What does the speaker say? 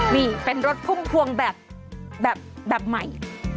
นี่เป็นรถพุ่มพวงแบบใหม่